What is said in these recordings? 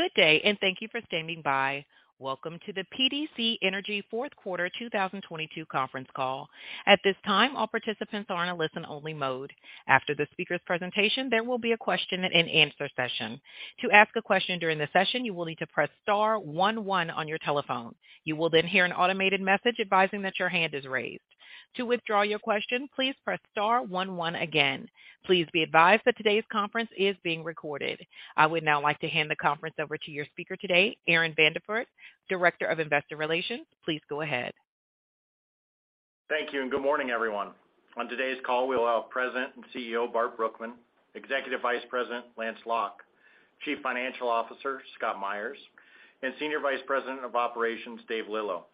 Good day, and thank you for standing by. Welcome to the PDC Energy fourth quarter 2022 conference call. At this time, all participants are in a listen-only mode. After the speaker's presentation, there will be a question and answer session. To ask a question during the session, you will need to press star one one on your telephone. You will then hear an automated message advising that your hand is raised. To withdraw your question, please press star one one again. Please be advised that today's conference is being recorded. I would now like to hand the conference over to your speaker today, Aaron Vandeford, Director of Investor Relations. Please go ahead. Thank you and good morning, everyone. On today's call, we allow President and CEO, Bart Brookman, Executive Vice President, Lance Lauck, Chief Financial Officer, Scott Meyers, and Senior Vice President of Operations, Dave Lillo.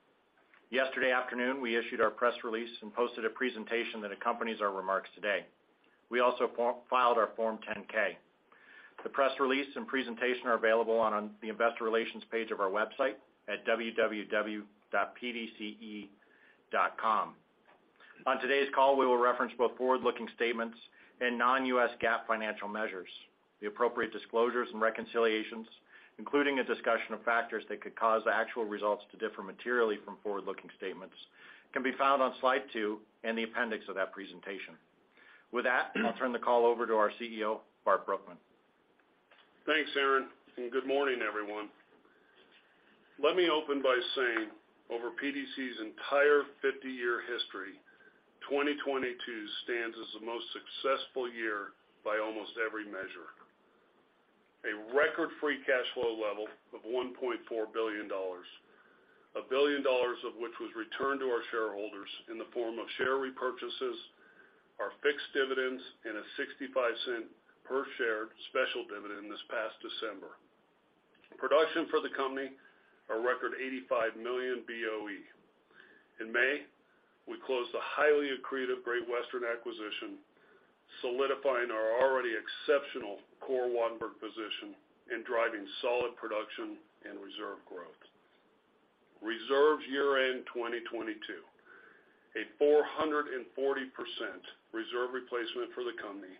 Yesterday afternoon, we issued our press release and posted a presentation that accompanies our remarks today. We also filed our Form 10-K. The press release and presentation are available on the investor relations page of our website at www.pdce.com. On today's call, we will reference both forward-looking statements and non-U.S. GAAP financial measures. The appropriate disclosures and reconciliations, including a discussion of factors that could cause actual results to differ materially from forward-looking statements can be found on slide two in the appendix of that presentation. With that, I'll turn the call over to our CEO, Bart Brookman. Thanks, Aaron. Good morning, everyone. Let me open by saying, over PDC's entire 50-year history, 2022 stands as the most successful year by almost every measure. A record free cash flow level of $1.4 billion, $1 billion of which was returned to our shareholders in the form of share repurchases, our fixed dividends, and a $0.65 per share special dividend this past December. Production for the company, a record 85 million BOE. In May, we closed the highly accretive Great Western acquisition, solidifying our already exceptional core Wattenberg position in driving solid production and reserve growth. Reserves year-end 2022, a 440% reserve replacement for the company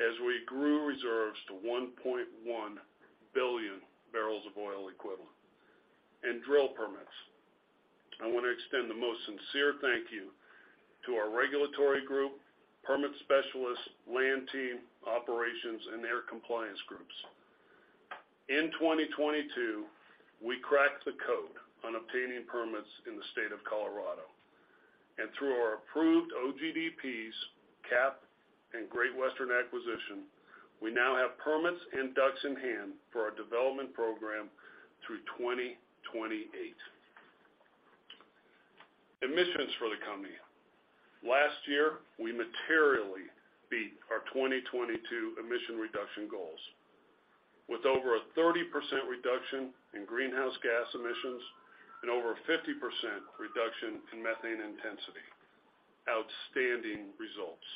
as we grew reserves to 1.1 billion barrels of oil equivalent. In drill permits, I wanna extend the most sincere thank you to our regulatory group, permit specialists, land team, operations, and their compliance groups. In 2022, we cracked the code on obtaining permits in the state of Colorado. Through our approved OGDPs, CAP, and Great Western acquisition, we now have permits and DUCs in hand for our development program through 2028. Emissions for the company. Last year, we materially beat our 2022 emission reduction goals with over a 30% reduction in greenhouse gas emissions and over 50% reduction in methane intensity. Outstanding results.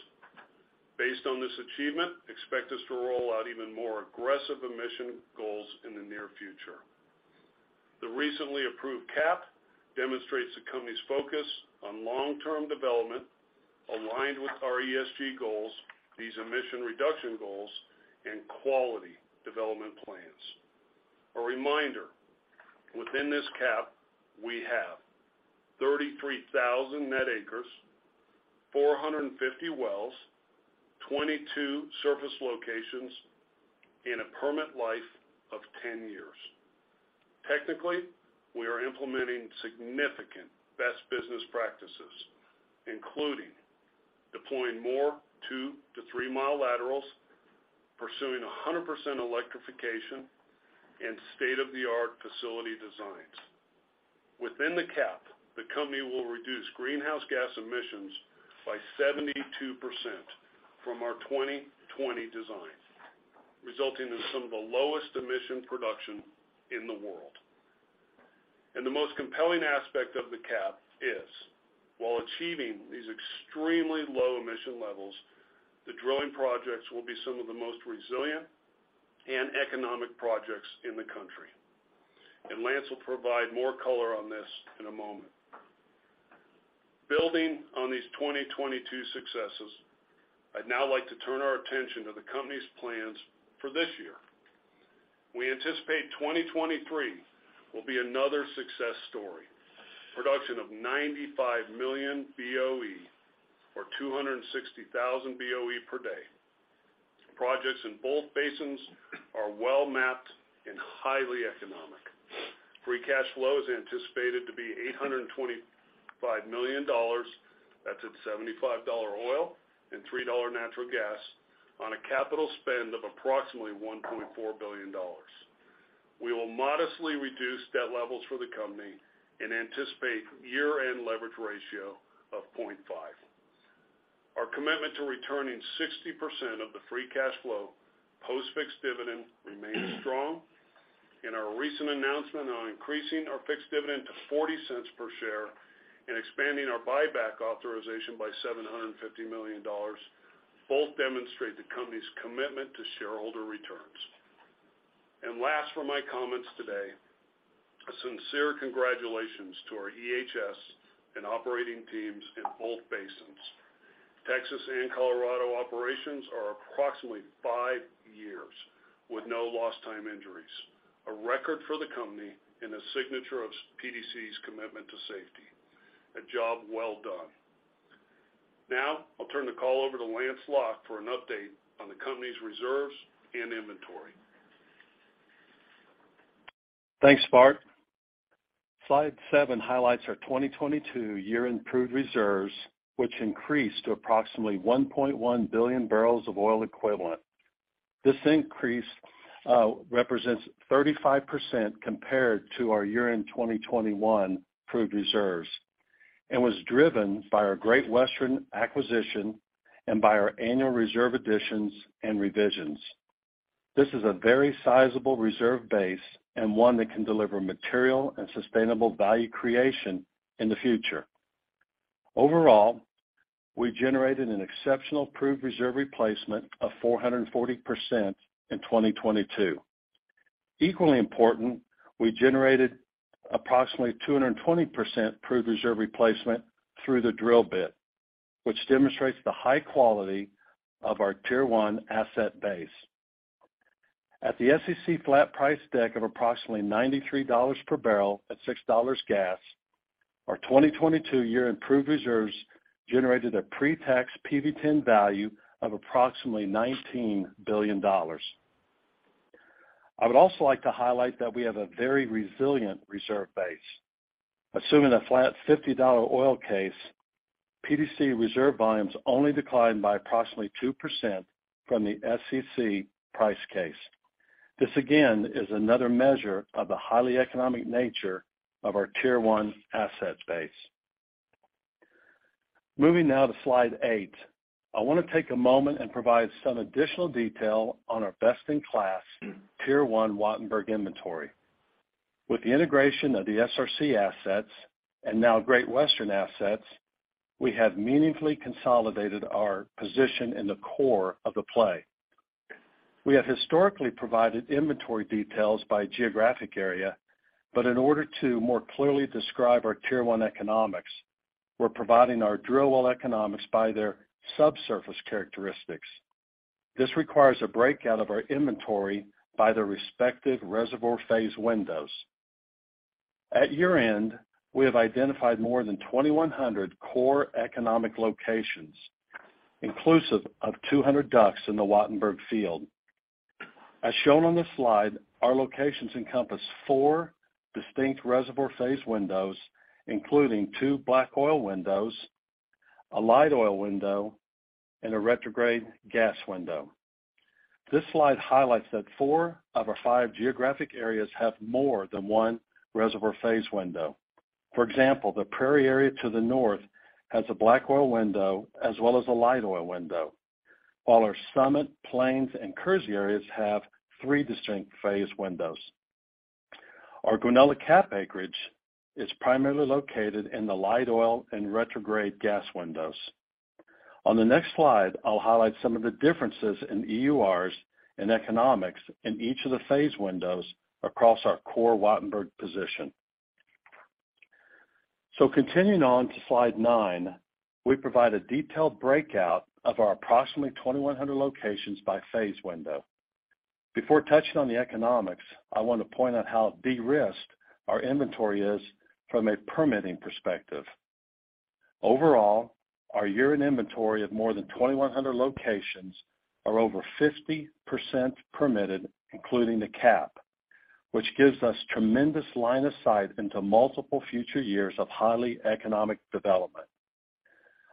Based on this achievement, expect us to roll out even more aggressive emission goals in the near future. The recently approved CAP demonstrates the company's focus on long-term development aligned with our ESG goals, these emission reduction goals, and quality development plans. A reminder, within this CAP, we have 33,000 net acres, 450 wells, 22 surface locations in a permit life of 10 years. Technically, we are implementing significant best business practices, including deploying more 2 mi-3 mi laterals, pursuing 100% electrification and state-of-the-art facility designs. Within the CAP, the company will reduce greenhouse gas emissions by 72% from our 2020 design, resulting in some of the lowest emission production in the world. The most compelling aspect of the CAP is, while achieving these extremely low emission levels, the drilling projects will be some of the most resilient and economic projects in the country. Lance will provide more color on this in a moment. Building on these 2022 successes, I'd now like to turn our attention to the company's plans for this year. We anticipate 2023 will be another success story. Production of 95 million BOE or 260,000 BOE per day. Projects in both basins are well mapped and highly economic. Free cash flow is anticipated to be $825 million. That's at $75 oil and $3 natural gas on a capital spend of approximately $1.4 billion. We will modestly reduce debt levels for the company and anticipate year-end leverage ratio of 0.5. Our commitment to returning 60% of the free cash flow, post-fixed dividend remains strong. In our recent announcement on increasing our fixed dividend to $0.40 per share and expanding our buyback authorization by $750 million both demonstrate the company's commitment to shareholder returns. Last for my comments today. Sincere congratulations to our EHS and operating teams in both basins. Texas and Colorado operations are approximately five years with no lost time injuries, a record for the company and a signature of PDC's commitment to safety. A job well done. I'll turn the call over to Lance Lauck for an update on the company's reserves and inventory. Thanks, Bart. Slide seven highlights our 2022 year-end proved reserves, which increased to approximately 1.1 billion barrels of oil equivalent. This increase represents 35% compared to our year-end 2021 proved reserves and was driven by our Great Western acquisition and by our annual reserve additions and revisions. This is a very sizable reserve base and one that can deliver material and sustainable value creation in the future. Overall, we generated an exceptional proved reserve replacement of 440% in 2022. Equally important, we generated approximately 220% proved reserve replacement through the drill bit, which demonstrates the high quality of our Tier One asset base. At the SEC flat price deck of approximately $93 per barrel at $6 gas, our 2022 year-end proved reserves generated a pre-tax PV-10 value of approximately $19 billion. I would also like to highlight that we have a very resilient reserve base. Assuming a flat $50 oil case, PDC reserve volumes only declined by approximately 2% from the SEC price case. This again is another measure of the highly economic nature of our Tier One asset base. Moving now to slide eight, I wanna take a moment and provide some additional detail on our best-in-class Tier One Wattenberg inventory. With the integration of the SRC assets and now Great Western assets, we have meaningfully consolidated our position in the core of the play. We have historically provided inventory details by geographic area, in order to more clearly describe our Tier One economics, we're providing our drill well economics by their subsurface characteristics. This requires a breakout of our inventory by the respective reservoir phase windows. At year-end, we have identified more than 2,100 core economic locations, inclusive of 200 DUCs in the Wattenberg Field. As shown on the slide, our locations encompass four distinct reservoir phase windows, including two black oil windows, a light oil window, and a retrograde gas window. This slide highlights that four of our five geographic areas have more than one reservoir phase window. For example, the Prairie area to the north has a black oil window as well as a light oil window. While our Summit, Plains, and Kersey areas have three distinct phase windows. Our Guanella CAP acreage is primarily located in the light oil and retrograde gas windows. On the next slide, I'll highlight some of the differences in EURs and economics in each of the phase windows across our core Wattenberg position. Continuing on to slide nine, we provide a detailed breakout of our approximately 2,100 locations by phase window. Before touching on the economics, I want to point out how de-risked our inventory is from a permitting perspective. Overall, our year-end inventory of more than 2,100 locations are over 50% permitted, including the CAP, which gives us tremendous line of sight into multiple future years of highly economic development.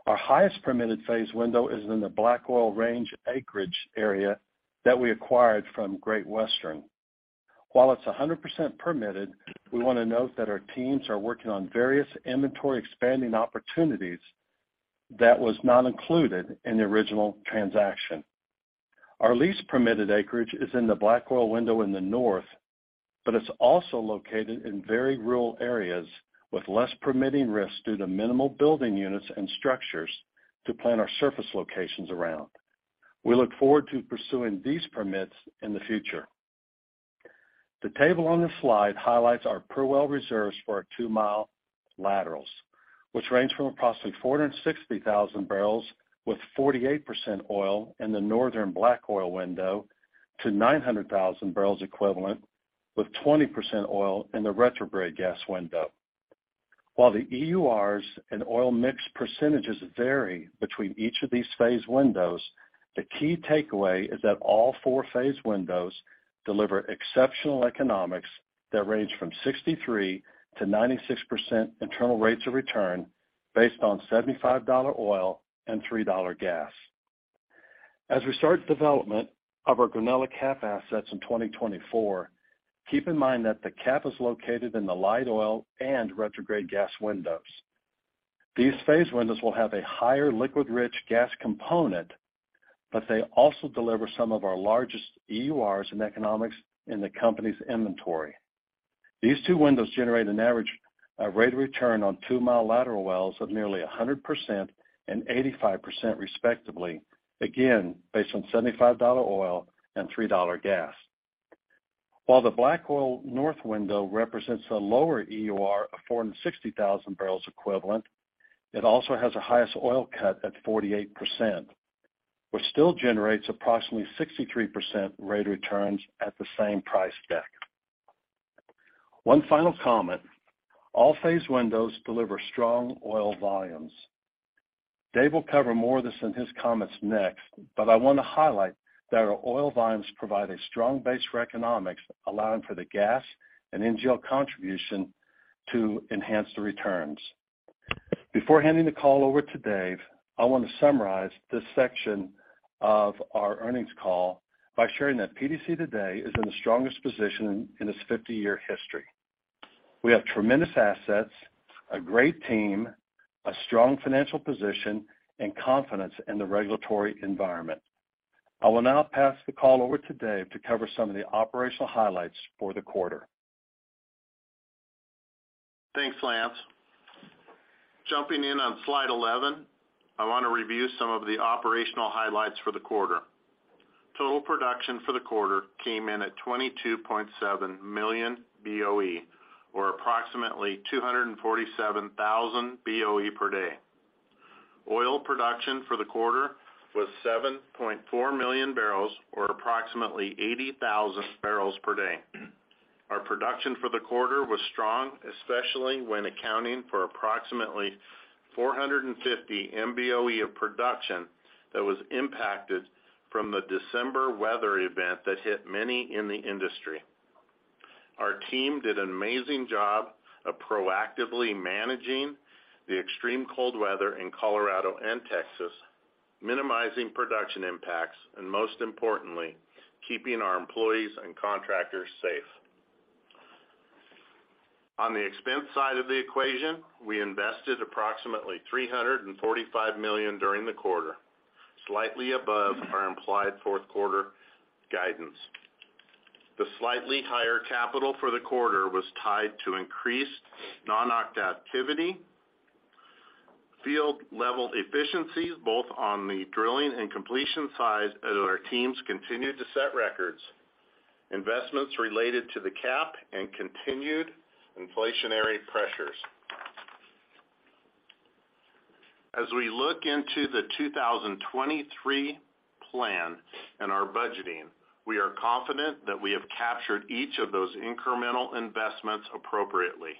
Our highest permitted phase window is in the Black Oil Range acreage area that we acquired from Great Western. While it's 100% permitted, we wanna note that our teams are working on various inventory expanding opportunities that was not included in the original transaction. Our lease permitted acreage is in the black oil window in the north. It's also located in very rural areas with less permitting risk due to minimal building units and structures to plan our surface locations around. We look forward to pursuing these permits in the future. The table on this slide highlights our per well reserves for our 2 mi laterals, which range from approximately 460,000 barrels with 48% oil in the northern black oil window to 900,000 barrels equivalent with 20% oil in the retrograde gas window. The EURs and oil mix percentages vary between each of these phase windows. The key takeaway is that all four phase windows deliver exceptional economics that range from 63%-96% internal rates of return based on $75 oil and $3 gas. As we start development of our Guanella CAP assets in 2024, keep in mind that the CAP is located in the light oil and retrograde gas windows. These phase windows will have a higher liquid-rich gas component, but they also deliver some of our largest EURs and economics in the company's inventory. These two windows generate an average rate of return on 2 mi lateral wells of nearly 100% and 85% respectively, again, based on $75 oil and $3 gas. While the Black Oil North window represents a lower EUR of 460,000 barrels equivalent, it also has the highest oil cut at 48%, which still generates approximately 63% rate of returns at the same price deck. One final comment, all phase windows deliver strong oil volumes. Dave will cover more of this in his comments next, but I wanna highlight that our oil volumes provide a strong base for economics, allowing for the gas and NGL contribution to enhance the returns. Before handing the call over to Dave, I wanna summarize this section of our earnings call by sharing that PDC today is in the strongest position in its 50-year history. We have tremendous assets, a great team, a strong financial position, and confidence in the regulatory environment. I will now pass the call over to Dave to cover some of the operational highlights for the quarter. Thanks, Lance. Jumping in on slide 11, I wanna review some of the operational highlights for the quarter. Total production for the quarter came in at 22.7 million BOE, or approximately 247,000 BOE per day. Oil production for the quarter was 7.4 million barrels, or approximately 80,000 barrels per day. Our production for the quarter was strong, especially when accounting for approximately 450 MBOE of production that was impacted from the December weather event that hit many in the industry. Our team did an amazing job of proactively managing the extreme cold weather in Colorado and Texas, minimizing production impacts, and most importantly, keeping our employees and contractors safe. On the expense side of the equation, we invested approximately $345 million during the quarter, slightly above our implied fourth quarter guidance. The slightly higher capital for the quarter was tied to increased non-op activity, field-level efficiencies both on the drilling and completion side as our teams continued to set records, investments related to the CAP and continued inflationary pressures. As we look into the 2023 plan and our budgeting, we are confident that we have captured each of those incremental investments appropriately.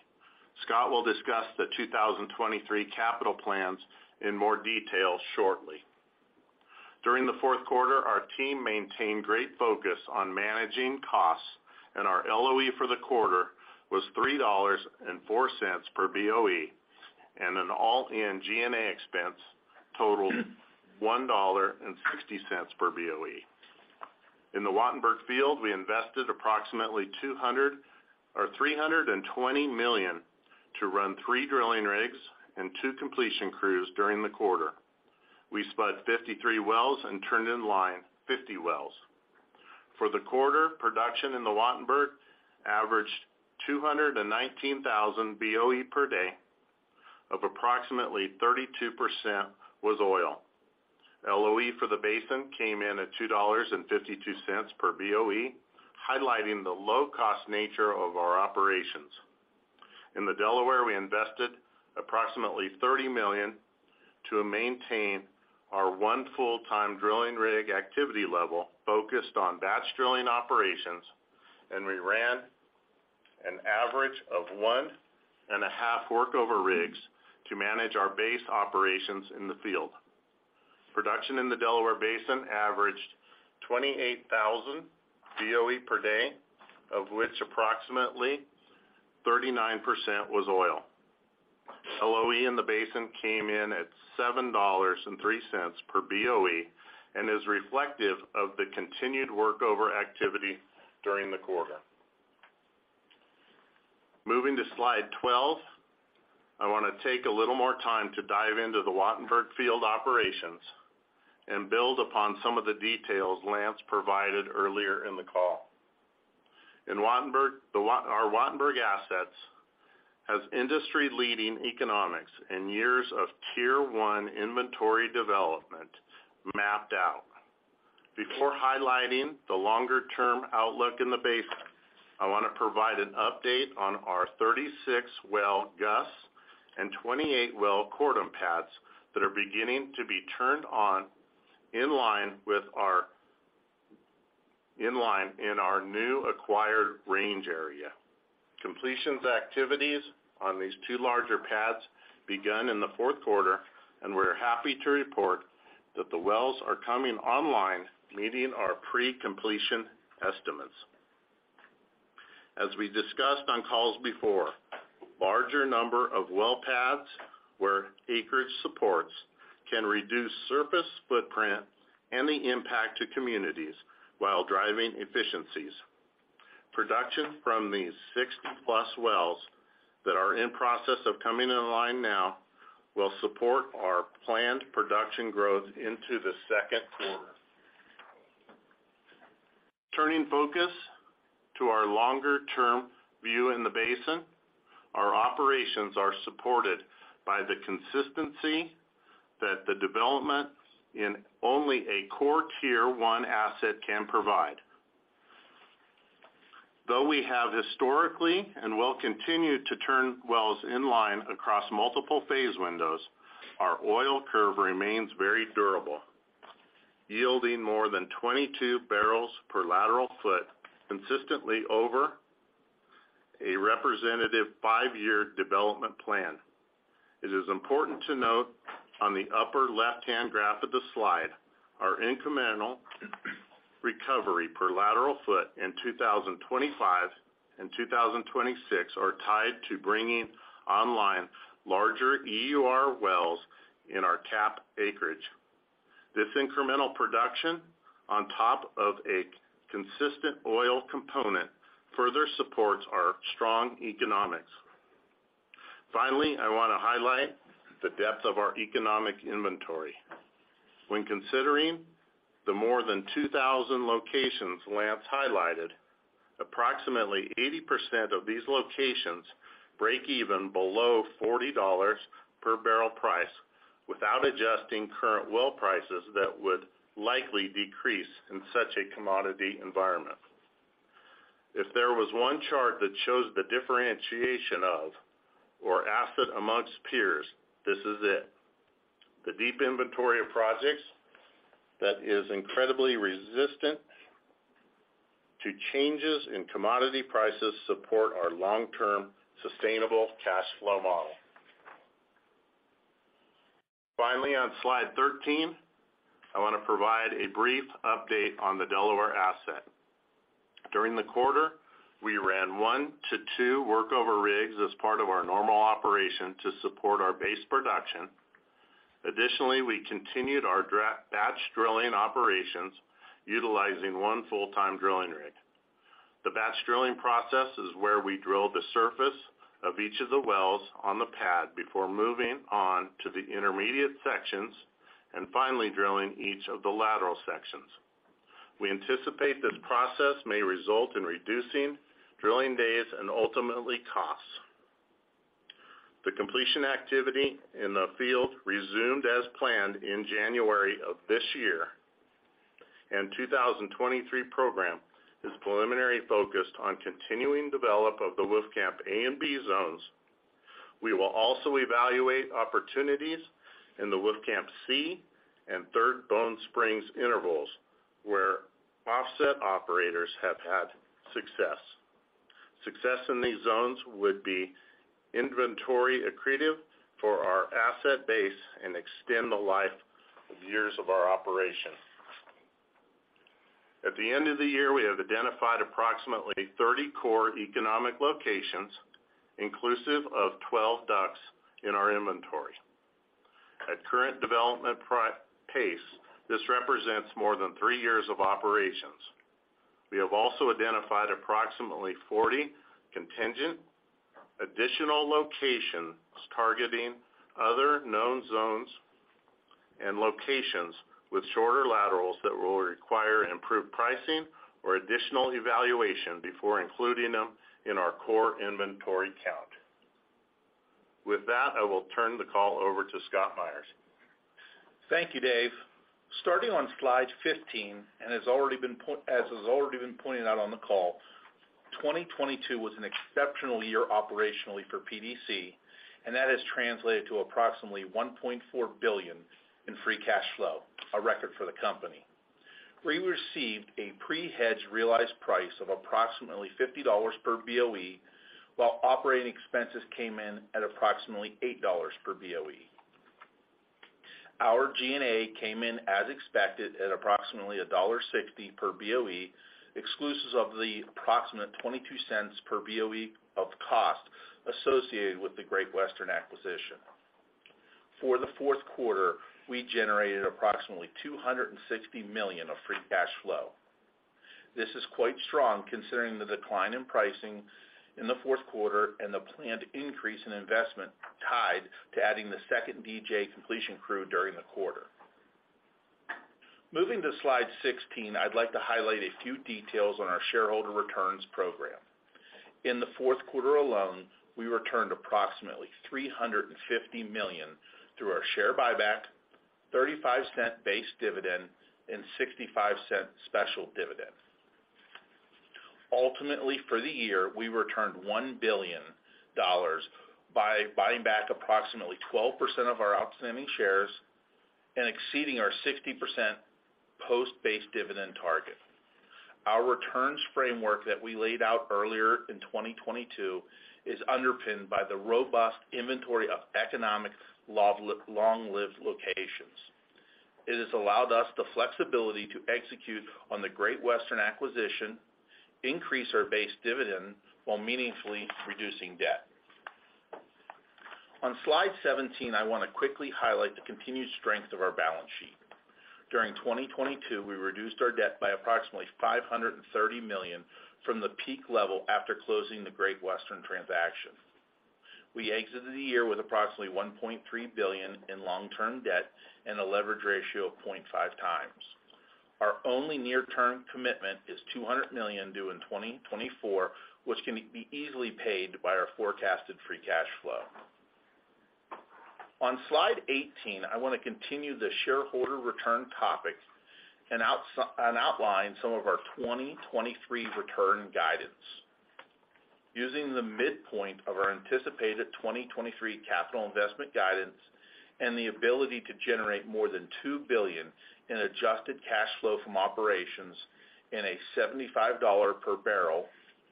Scott will discuss the 2023 capital plans in more detail shortly. During the fourth quarter, our team maintained great focus on managing costs and our LOE for the quarter was $3.04 per BOE. An all-in G&A expense totaled $1.60 per BOE. In the Wattenberg Field, we invested approximately $320 million to run three drilling rigs and two completion crews during the quarter. We spudded 53 wells and turned in line 50 wells. For the quarter, production in the Wattenberg averaged 219,000 BOE per day, of approximately 32% was oil. LOE for the basin came in at $2.52 per BOE, highlighting the low-cost nature of our operations. In the Delaware, we invested approximately $30 million to maintain our one full-time drilling rig activity level focused on batch drilling operations, and we ran an average of one and a half workover rigs to manage our base operations in the field. Production in the Delaware basin averaged 28,000 BOE per day, of which approximately 39% was oil. LOE in the basin came in at $7.03 per BOE and is reflective of the continued workover activity during the quarter. Moving to slide 12, I wanna take a little more time to dive into the Wattenberg Field operations and build upon some of the details Lance provided earlier in the call. In Wattenberg, our Wattenberg assets has industry-leading economics and years of tier one inventory development mapped out. Before highlighting the longer-term outlook in the basin, I wanna provide an update on our 36 well Gus and 28 well Cordon pads that are beginning to be turned on in line in our new acquired Range area. Completions activities on these two larger pads begun in the fourth quarter, and we're happy to report that the wells are coming online, meeting our pre-completion estimates. As we discussed on calls before, larger number of well paths where acreage supports can reduce surface footprint and the impact to communities while driving efficiencies. Production from these 60+ wells that are in process of coming in line now will support our planned production growth into the second quarter. Turning focus to our longer term view in the basin, our operations are supported by the consistency that the development in only a core Tier 1 asset can provide. Though we have historically and will continue to turn wells in line across multiple phase windows, our oil curve remains very durable, yielding more than 22 barrels per lateral foot consistently over a representative five-year development plan. It is important to note on the upper left-hand graph of the slide, our incremental recovery per lateral foot in 2025 and 2026 are tied to bringing online larger EUR wells in our CAP acreage. This incremental production on top of a consistent oil component further supports our strong economics. Finally, I wanna highlight the depth of our economic inventory. When considering the more than 2,000 locations Lance highlighted, approximately 80% of these locations break even below $40 per barrel price without adjusting current well prices that would likely decrease in such a commodity environment. If there was one chart that shows the differentiation of our asset amongst peers, this is it. The deep inventory of projects that is incredibly resistant to changes in commodity prices support our long-term sustainable cash flow model. Finally, on slide 13, I wanna provide a brief update on the Delaware asset. During the quarter, we ran one to two workover rigs as part of our normal operation to support our base production. Additionally, we continued our batch drilling operations utilizing one full-time drilling rig. The batch drilling process is where we drill the surface of each of the wells on the pad before moving on to the intermediate sections and finally drilling each of the lateral sections. We anticipate this process may result in reducing drilling days and ultimately costs. The completion activity in the field resumed as planned in January of this year. 2023 program is preliminary focused on continuing develop of the Wolfcamp A and B zones. We will also evaluate opportunities in the Wolfcamp C and Third Bone Spring intervals, where offset operators have had success. Success in these zones would be inventory accretive for our asset base and extend the life of years of our operation. At the end of the year, we have identified approximately 30 core economic locations, inclusive of 12 DUCs in our inventory. At current development pace, this represents more than three years of operations. We have also identified approximately 40 contingent additional locations targeting other known zones and locations with shorter laterals that will require improved pricing or additional evaluation before including them in our core inventory count. With that, I will turn the call over to Scott Meyers. Thank you, Dave. Starting on slide 15, as has already been pointed out on the call, 2022 was an exceptional year operationally for PDC, that has translated to approximately $1.4 billion in free cash flow, a record for the company. We received a pre-hedge realized price of approximately $50 per BOE, while operating expenses came in at approximately $8 per BOE. Our G&A came in as expected at approximately $1.60 per BOE, exclusive of the approximate $0.22 per BOE of cost associated with the Great Western acquisition. For the fourth quarter, we generated approximately $260 million of free cash flow. This is quite strong considering the decline in pricing in the fourth quarter and the planned increase in investment tied to adding the second DJ completion crew during the quarter. Moving to slide 16, I'd like to highlight a few details on our shareholder returns program. In the fourth quarter alone, we returned approximately $350 million through our share buyback, $0.35 base dividend, and $0.65 special dividend. Ultimately, for the year, we returned $1 billion by buying back approximately 12% of our outstanding shares and exceeding our 60% post-base dividend target. Our returns framework that we laid out earlier in 2022 is underpinned by the robust inventory of economic long-lived locations. It has allowed us the flexibility to execute on the Great Western acquisition, increase our base dividend while meaningfully reducing debt. On slide 17, I wanna quickly highlight the continued strength of our balance sheet. During 2022, we reduced our debt by approximately $530 million from the peak level after closing the Great Western transaction. We exited the year with approximately $1.3 billion in long-term debt and a leverage ratio of 0.5x. Our only near-term commitment is $200 million due in 2024, which can be easily paid by our forecasted free cash flow. On slide 18, I wanna continue the shareholder return topic and outline some of our 2023 return guidance. Using the midpoint of our anticipated 2023 capital investment guidance and the ability to generate more than $2 billion in adjusted cash flow from operations in a $75 per barrel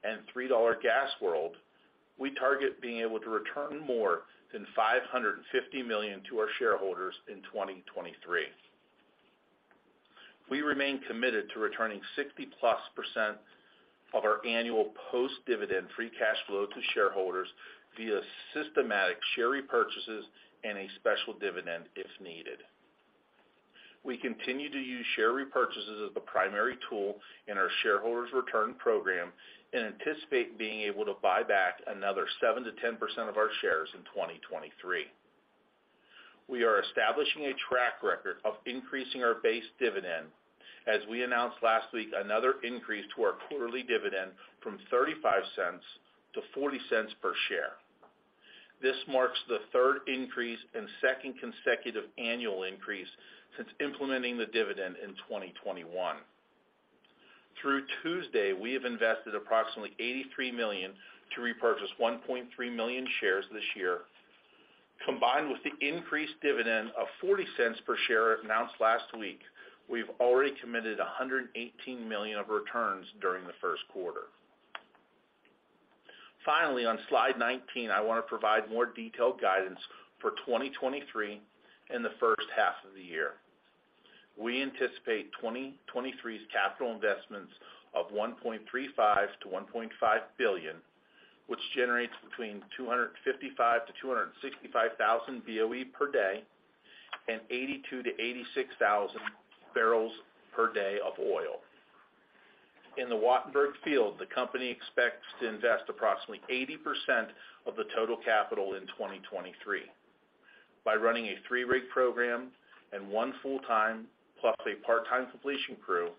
and $3 gas world, we target being able to return more than $550 million to our shareholders in 2023. We remain committed to returning 60%+ of our annual post-dividend free cash flow to shareholders via systematic share repurchases and a special dividend if needed. We continue to use share repurchases as the primary tool in our shareholders return program and anticipate being able to buy back another 7%-10% of our shares in 2023. We are establishing a track record of increasing our base dividend, as we announced last week another increase to our quarterly dividend from $0.35-$0.40 per share. This marks the third increase and second consecutive annual increase since implementing the dividend in 2021. Through Tuesday, we have invested approximately $83 million to repurchase 1.3 million shares this year. Combined with the increased dividend of $0.40 per share announced last week, we've already committed $118 million of returns during the first quarter. Finally, on slide 19, I wanna provide more detailed guidance for 2023 and the first half of the year. We anticipate 2023's capital investments of $1.35 billion-$1.5 billion, which generates between 255,000-265,000 BOE per day and 82,000-86,000 barrels per day of oil. In the Wattenberg Field, the company expects to invest approximately 80% of the total capital in 2023. By running a three-rig program and one full-time plus a part-time completion crew,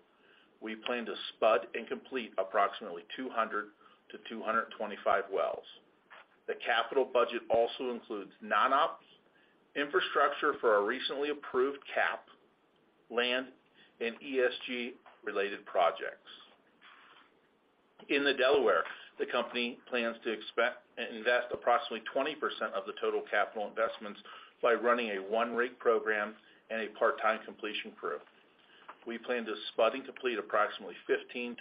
we plan to spud and complete approximately 200-225 wells. The capital budget also includes non-op, infrastructure for our recently approved CAP, land, and ESG-related projects. In the Delaware, the company plans to invest approximately 20% of the total capital investments by running a one-rig program and a part-time completion crew. We plan to spud and complete approximately 15-25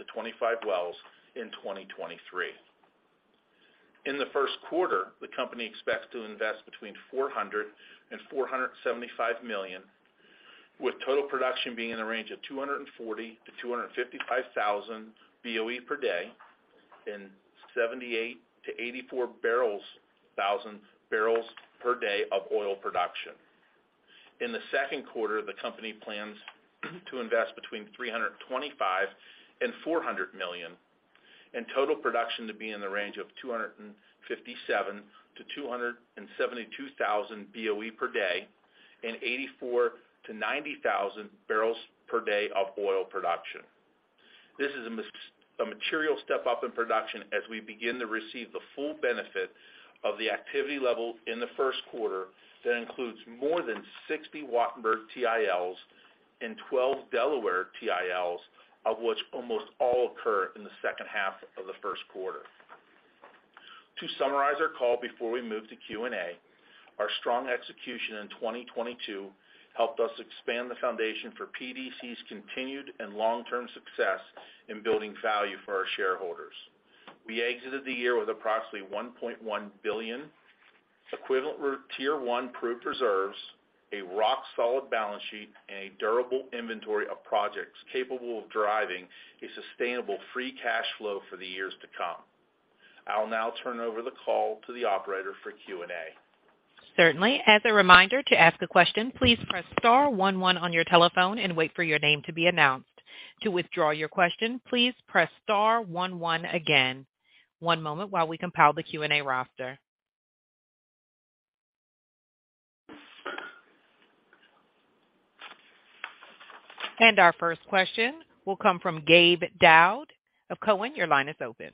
wells in 2023. In the first quarter, the company expects to invest between $400 million and $475 million, with total production being in the range of 240,000-255,000 BOE per day and 78,000-84,000 barrels per day of oil production. In the second quarter, the company plans to invest between $325 million and $400 million, and total production to be in the range of 257,000-272,000 BOE per day and 84,000-90,000 barrels per day of oil production. This is a material step up in production as we begin to receive the full benefit of the activity level in the first quarter that includes more than 60 Wattenberg TILs and 12 Delaware TILs, of which almost all occur in the second half of the first quarter. To summarize our call before we move to Q&A, our strong execution in 2022 helped us expand the foundation for PDC's continued and long-term success in building value for our shareholders. We exited the year with approximately $1.1 billion equivalent Tier one proved reserves, a rock-solid balance sheet, and a durable inventory of projects capable of driving a sustainable free cash flow for the years to come. I'll now turn over the call to the operator for Q&A. Certainly. As a reminder, to ask a question, please press star one one on your telephone and wait for your name to be announced. To withdraw your question, please press star one one again. One moment while we compile the Q&A roster. Our first question will come from Gabe Daoud of Cowen. Your line is open.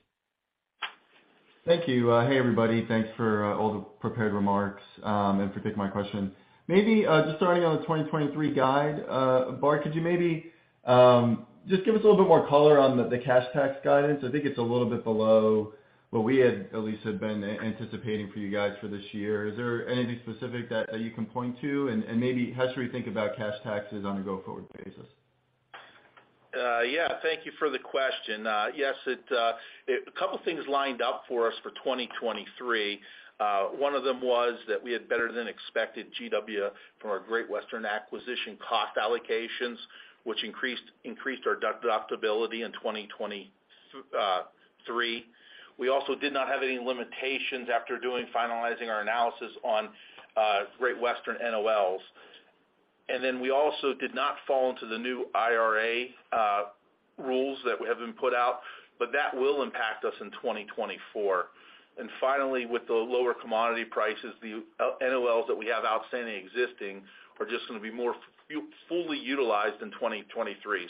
Thank you. Hey, everybody. Thanks for all the prepared remarks, and for taking my question. Maybe just starting on the 2023 guide, Bart, could you maybe just give us a little bit more color on the cash tax guidance? I think it's a little bit below what we had at least had been anticipating for you guys for this year. Is there anything specific that you can point to? Maybe how should we think about cash taxes on a go-forward basis? Yeah. Thank you for the question. Yes, a couple things lined up for us for 2023. One of them was that we had better than expected GW from our Great Western acquisition cost allocations, which increased our deductibility in 2023. We also did not have any limitations after doing finalizing our analysis on Great Western NOLs. We also did not fall into the new IRA, rules that have been put out, but that will impact us in 2024. Finally, with the lower commodity prices, the, NOLs that we have outstanding existing are just gonna be more fully utilized in 2023.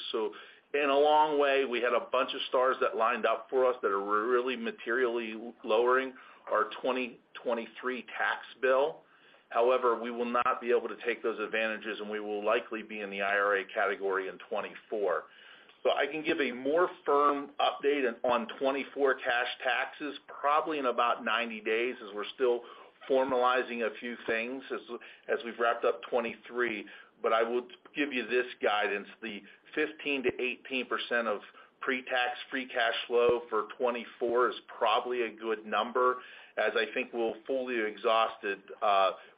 In a long way, we had a bunch of stars that lined up for us that are really materially lowering our 2023 tax bill. However, we will not be able to take those advantages, and we will likely be in the IRA category in 2024. I can give a more firm update on 2024 cash taxes probably in about 90 days, as we're still formalizing a few things as we've wrapped up 2023. I would give you this guidance, the 15%-18% of pre-tax free cash flow for 2024 is probably a good number, as I think we'll fully exhausted,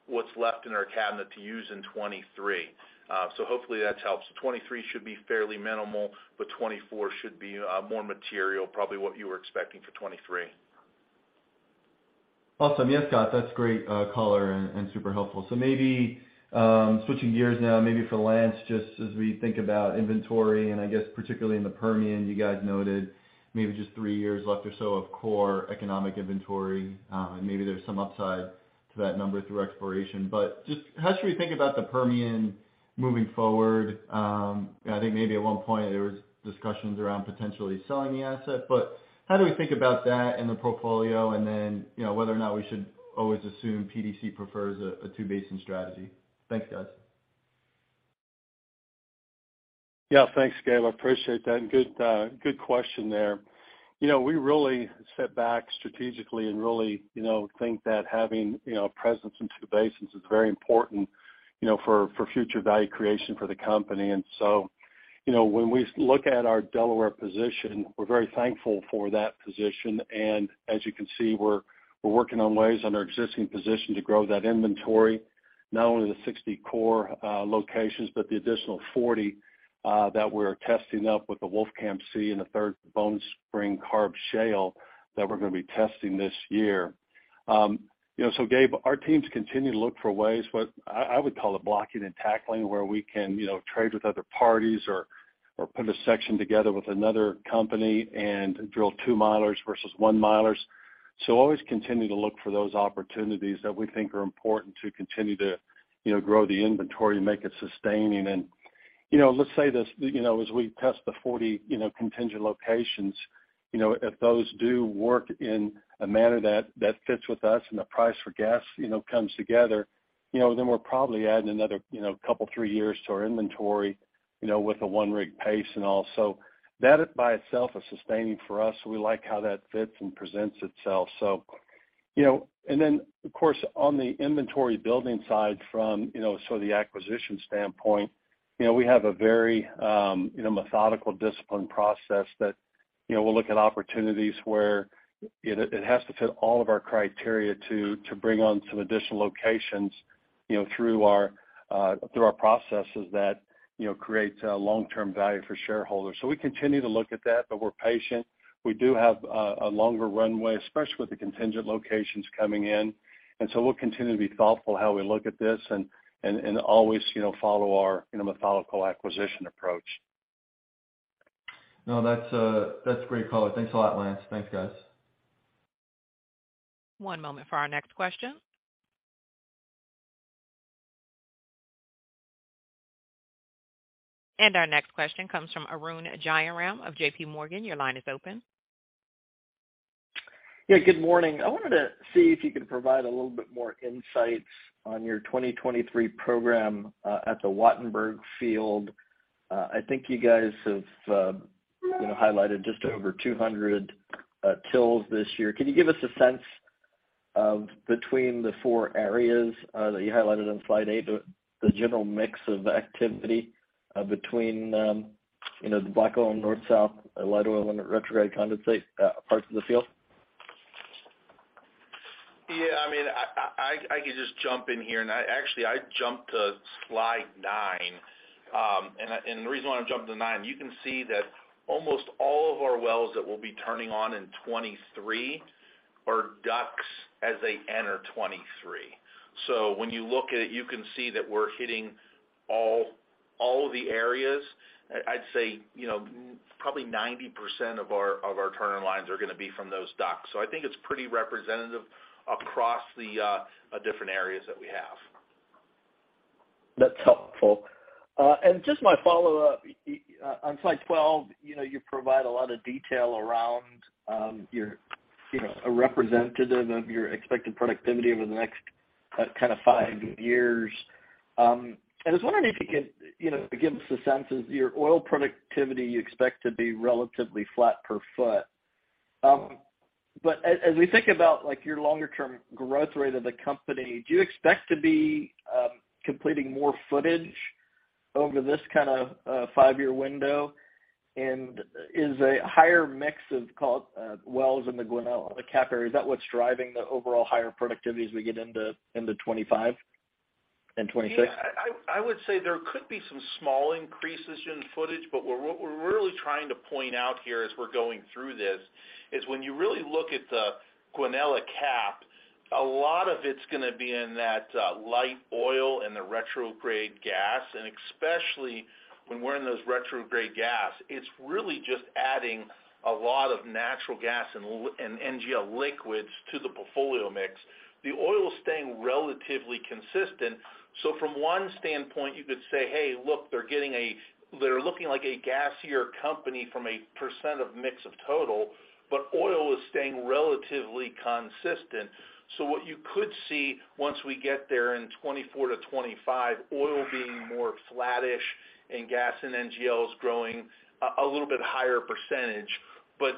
what's left in our cabinet to use in 2023. Hopefully that helps. 2023 should be fairly minimal, but 2024 should be more material, probably what you were expecting for 2023. Awesome. Yeah, Scott, that's great, color and super helpful. Maybe, switching gears now, maybe for Lance, just as we think about inventory, and I guess particularly in the Permian, you guys noted maybe just three years left or so of core economic inventory. Maybe there's some upside to that number through exploration. Just how should we think about the Permian moving forward? I think maybe at one point there was discussions around potentially selling the asset, but how do we think about that in the portfolio and then, you know, whether or not we should always assume PDC prefers a two-basin strategy? Thanks, guys. Yeah. Thanks, Gabe. I appreciate that. Good question there. You know, we really sit back strategically and really, you know, think that having a presence in two basins is very important for future value creation for the company. When we look at our Delaware position, we're very thankful for that position. As you can see, we're working on ways on our existing position to grow that inventory, not only the 60 core locations, but the additional 40 that we're testing up with the Wolfcamp C and the Third Bone Spring Carb Shale that we're gonna be testing this year. You know, so Gabe, our teams continue to look for ways, what I would call it blocking and tackling, where we can, you know, trade with other parties or put a section together with another company and drill two milers versus one milers. Always continue to look for those opportunities that we think are important to continue to, you know, grow the inventory and make it sustaining. you know, let's say this, you know, as we test the 40, you know, contingent locations, you know, if those do work in a manner that fits with us and the price for gas, you know, comes together, you know, then we're probably adding another, you know, two, three years to our inventory, you know, with a one-rig pace and all. That by itself is sustaining for us. We like how that fits and presents itself. You know, and then, of course, on the inventory building side from, you know, the acquisition standpoint, you know, we have a very, methodical, disciplined process that, you know, we'll look at opportunities where it has to fit all of our criteria to bring on some additional locations, you know, through our processes that, you know, creates long-term value for shareholders. We continue to look at that, but we're patient. We do have a longer runway, especially with the contingent locations coming in. We'll continue to be thoughtful how we look at this and always, you know, follow our, you know, methodical acquisition approach. That's great color. Thanks a lot, Lance. Thanks, guys. One moment for our next question. Our next question comes from Arun Jayaram of JPMorgan, your line is open. Yeah, good morning. I wanted to see if you could provide a little bit more insights on your 2023 program at the Wattenberg Field. I think you guys have, you know, highlighted just over 200 TILs this year. Can you give us a sense of between the four areas that you highlighted on slide eight, the general mix of activity between, you know, the black oil, north/south, light oil and retrograde condensate parts of the field? Yeah. I mean, I could just jump in here. Actually I jumped to slide nine. The reason why I'm jumping to nine, you can see that almost all of our wells that we'll be turning on in 23 are DUCs as they enter 23. When you look at it, you can see that we're hitting all of the areas. I'd say, you know, probably 90% of our turning lines are gonna be from those DUCs. I think it's pretty representative across the different areas that we have. That's helpful. Just my follow-up. On slide 12, you know, you provide a lot of detail around your, you know, a representative of your expected productivity over the next kind of five years. I was wondering if you could, you know, give us a sense of your oil productivity you expect to be relatively flat per foot. As we think about, like, your longer term growth rate of the company, do you expect to be completing more footage over this kind of five-year window? Is a higher mix of called wells in the Guanella CAP area, is that what's driving the overall higher productivity as we get into 2025 and 2026? Yeah. I would say there could be some small increases in footage, but what we're really trying to point out here as we're going through this is when you really look at the Guanella CAP A lot of it is going to be in that light oil and the retrograde gas, especially when we are in those retrograde gas, it is really just adding a lot of natural gas and NGL liquids to the portfolio mix. The oil is staying relatively consistent. From one standpoint, you could say, "Hey, look, they are looking like a gasier company from a percent of mix of total, but oil is staying relatively consistent." What you could see once we get there in 2024 to 2025, oil being more flattish and gas and NGLs growing a little bit higher %.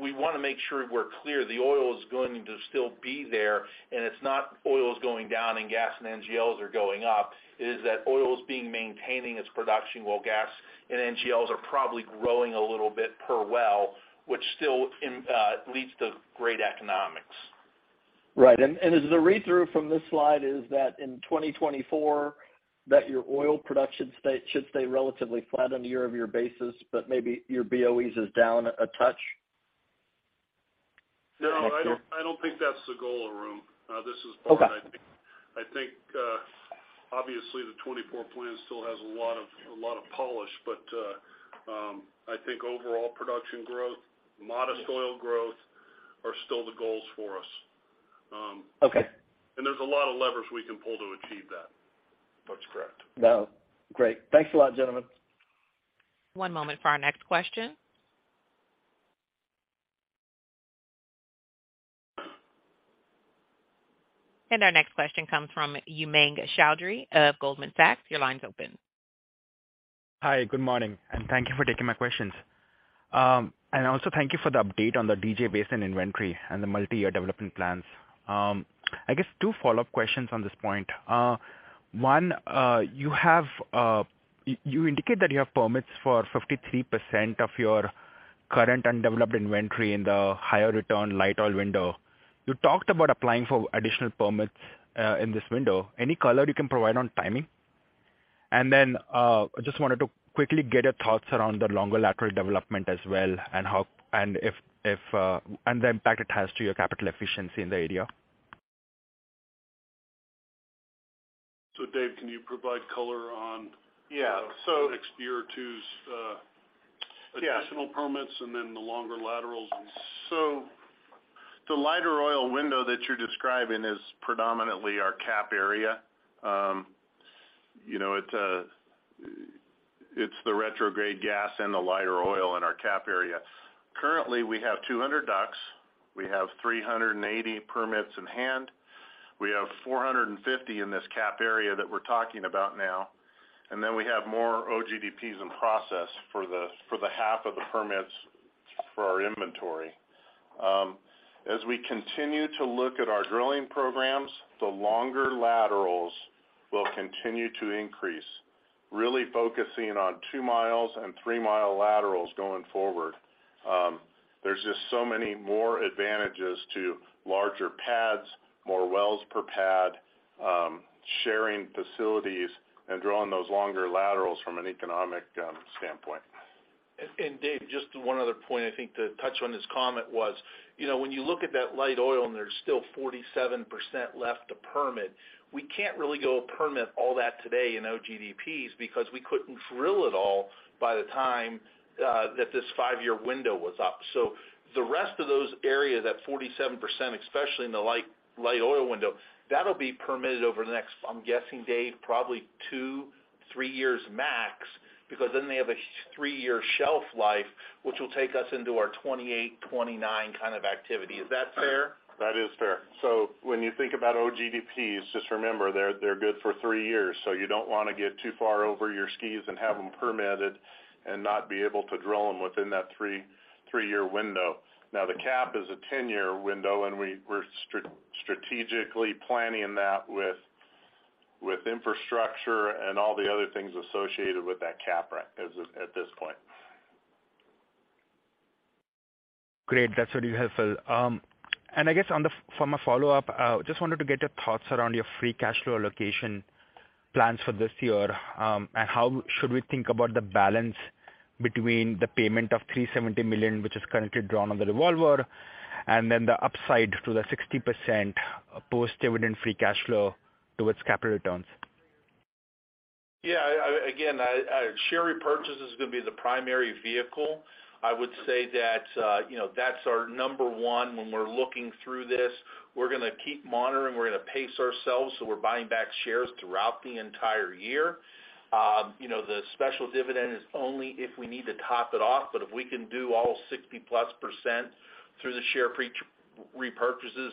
We want to make sure we are clear the oil is going to still be there, and it is not oil is going down and gas and NGLs are going up. It is that oil is being maintaining its production while gas and NGLs are probably growing a little bit per well, which still leads to great economics. Right. Is the read-through from this slide is that in 2024, that your oil production should stay relatively flat on a year-over-year basis, but maybe your BOEs is down a touch? No, I don't, I don't think that's the goal, Arun. This is Bart. Okay. I think, obviously the 2024 plan still has a lot of polish, I think overall production growth, modest oil growth are still the goals for us. Okay. There's a lot of levers we can pull to achieve that. That's correct. Great. Thanks a lot, gentlemen. One moment for our next question. Our next question comes from Umang Choudhary of Goldman Sachs. Your line's open. Hi, good morning, and thank you for taking my questions. Also thank you for the update on the DJ Basin inventory and the multi-year development plans. I guess two follow-up questions on this point. One, you indicate that you have permits for 53% of your current undeveloped inventory in the higher return light oil window. You talked about applying for additional permits in this window. Any color you can provide on timing? Then, just wanted to quickly get your thoughts around the longer lateral development as well and how and if, and the impact it has to your capital efficiency in the area. Dave, can you provide color on? Yeah. next year or two's Yeah... additional permits and then the longer laterals? The lighter oil window that you're describing is predominantly our CAP area. You know, it's the retrograde gas and the lighter oil in our CAP area. Currently, we have 200 DUCs. We have 380 permits in hand. We have 450 in this CAP area that we're talking about now, and then we have more OGDPs in process for the, for the half of the permits for our inventory. As we continue to look at our drilling programs, the longer laterals will continue to increase, really focusing on 2 miles and 3-mile laterals going forward. There's just so many more advantages to larger pads, more wells per pad, sharing facilities and drawing those longer laterals from an economic standpoint. Dave, just one other point I think to touch on this comment was, you know, when you look at that light oil and there's still 47% left to permit, we can't really go permit all that today in OGDPs because we couldn't drill it all by the time that this five-year window was up. The rest of those areas, that 47%, especially in the light oil window, that'll be permitted over the next, I'm guessing, Dave, probably 2-3 years max, because then they have a three-year shelf life, which will take us into our 2028, 2029 kind of activity. Is that fair? That is fair. When you think about OGDPs, just remember they're good for three years. You don't wanna get too far over your skis and have them permitted and not be able to drill them within that three-year window. Now, the CAP is a 10-year window, and we're strategically planning that with infrastructure and all the other things associated with that CAP right, at this point. Great. That's really helpful. I guess from a follow-up, just wanted to get your thoughts around your free cash flow allocation plans for this year. How should we think about the balance between the payment of $370 million, which is currently drawn on the revolver, and then the upside to the 60% post-dividend free cash flow towards capital returns? Again, share repurchase is gonna be the primary vehicle. I would say that, you know, that's our number one when we're looking through this. We're gonna keep monitoring. We're gonna pace ourselves, so we're buying back shares throughout the entire year. You know, the special dividend is only if we need to top it off, but if we can do all 60+% through the share repurchases,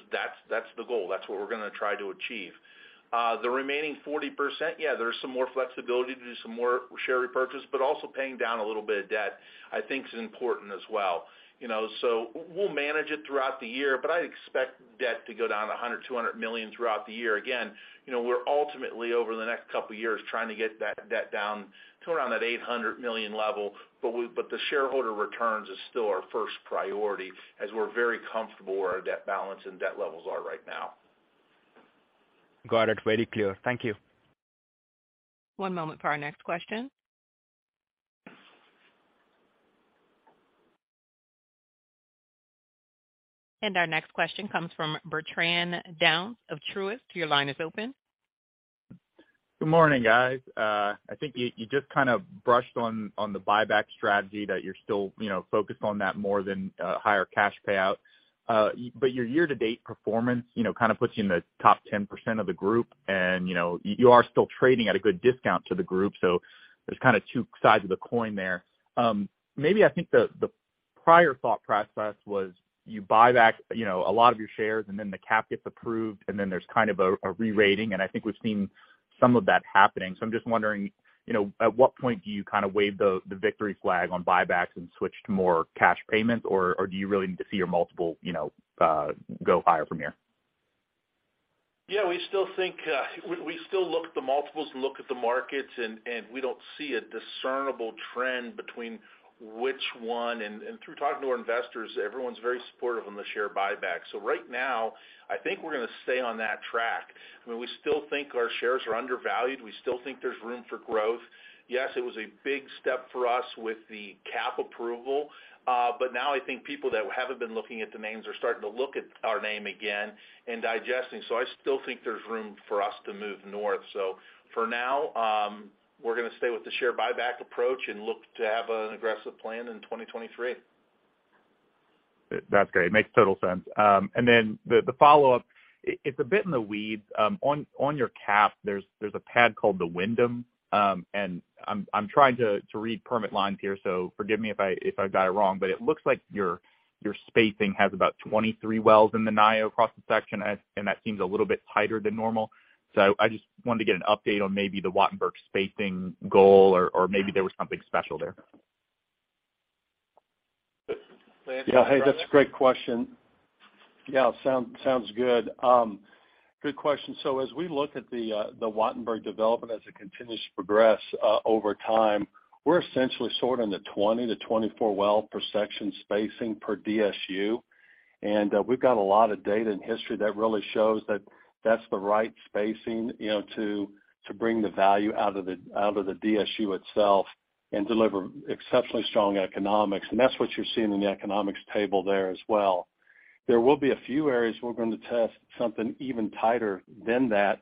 that's the goal. That's what we're gonna try to achieve. The remaining 40%, yeah, there's some more flexibility to do some more share repurchase, but also paying down a little bit of debt, I think is important as well, you know. We'll manage it throughout the year, but I expect debt to go down $100 million-$200 million throughout the year. You know, we're ultimately over the next couple of years trying to get that debt down to around that $800 million level, but the shareholder returns is still our first priority as we're very comfortable where our debt balance and debt levels are right now. Got it. Very clear. Thank you. One moment for our next question. Our next question comes from Bertrand Donnes of Truist. Your line is open. Good morning, guys. I think you just kind of brushed on the buyback strategy that you're still, you know, focused on that more than higher cash payout. Your year-to-date performance, you know, kind of puts you in the top 10% of the group. You are still trading at a good discount to the group, so there's kind of two sides of the coin there. Maybe I think the prior thought process was you buy back, you know, a lot of your shares, and then the CAP gets approved, and then there's kind of a re-rating, and I think we've seen some of that happening. I'm just wondering, you know, at what point do you kind of wave the victory flag on buybacks and switch to more cash payments, or do you really need to see your multiple, you know, go higher from here? We still think, we still look at the multiples and look at the markets and we don't see a discernible trend between which one. Through talking to our investors, everyone's very supportive on the share buyback. Right now, I think we're gonna stay on that track. I mean, we still think our shares are undervalued. We still think there's room for growth. Yes, it was a big step for us with the CAP approval, but now I think people that haven't been looking at the names are starting to look at our name again and digesting. I still think there's room for us to move north. For now, we're gonna stay with the share buyback approach and look to have an aggressive plan in 2023. That's great. Makes total sense. The follow-up, it's a bit in the weeds. On your CAP, there's a pad called the Windham, I'm trying to read permit lines here, so forgive me if I got it wrong, but it looks like your spacing has about 23 wells in the Niobrara across the section, that seems a little bit tighter than normal. I just wanted to get an update on maybe the Wattenberg spacing goal or maybe there was something special there. Lance, do you. Yeah. Hey, that's a great question. Yeah, sounds good. Good question. As we look at the Wattenberg development as it continues to progress over time, we're essentially sort of in the 20 to 24 well per section spacing per DSU. We've got a lot of data and history that really shows that that's the right spacing, you know, to bring the value out of the DSU itself and deliver exceptionally strong economics. That's what you're seeing in the economics table there as well. There will be a few areas we're going to test something even tighter than that,